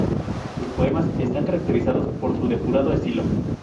Sus poemas están caracterizados por su depurado estilo.